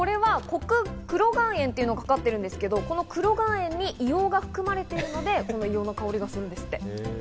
黒岩塩というのがかかっているんですけど、黒岩塩に硫黄が含まれているので、硫黄の香りがするんですって。